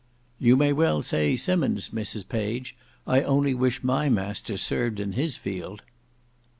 "You may well say Simmon's, Mrs Page; I only wish my master served in his field."